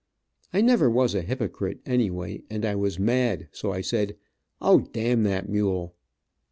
I never was a hypocrite, anyway, and I was mad, so I said: "Oh, dam that mule!"